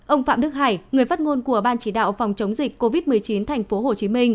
ông phạm đức hải người phát ngôn của ban chỉ đạo phòng chống dịch covid một mươi chín tp hcm